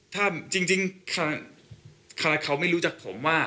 ถ้าจริงเขาไม่รู้จักผมว่า